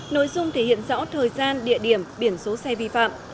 nội dung thể hiện rõ thời gian địa điểm biển số xe vi phạm